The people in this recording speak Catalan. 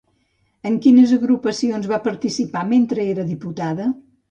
En quines agrupacions va participar mentre era diputada?